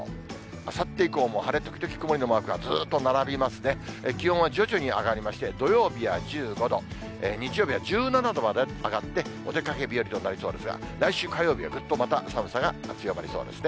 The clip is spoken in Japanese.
あさって以降も晴れ時々曇りのマークがずーっと並びますね、気温は徐々に上がりまして、土曜日は１５度、日曜日は１７度まで上がって、お出かけ日和となりそうですが、来週火曜日はぐっとまた寒さが強まりそうですね。